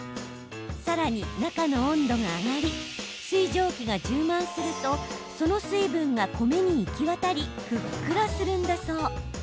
さらに、中の温度が上がり水蒸気が充満するとその水分が米に行き渡りふっくらするんだそう。